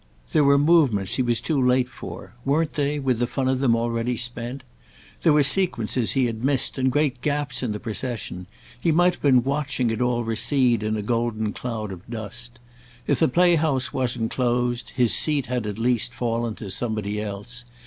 There were "movements" he was too late for: weren't they, with the fun of them, already spent? There were sequences he had missed and great gaps in the procession: he might have been watching it all recede in a golden cloud of dust. If the playhouse wasn't closed his seat had at least fallen to somebody else.